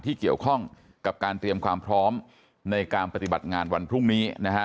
ที่เกี่ยวข้องกับการเตรียมความพร้อมในการปฏิบัติงานวันพรุ่งนี้นะฮะ